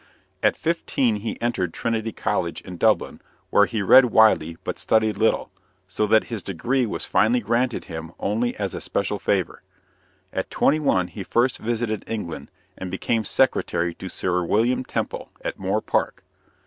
At fifteen he entered Trinity College, in Dublin, where he read widely but studied little, so that his degree was finally granted him only as a special favor. At twenty one he first visited England, and became secretary to Sir William Temple, at Moor Park.